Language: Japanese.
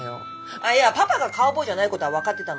あいやパパがカウボーイじゃないことは分かってたのよ。